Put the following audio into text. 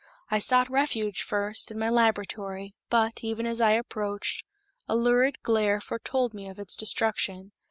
I sought refuge, first, in my laboratory, but, even as I approached, a lurid glare foretold me of its destruction.